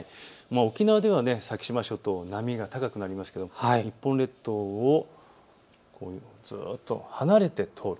沖縄では先島諸島、波が高くなりますが日本列島をずっと離れて通る。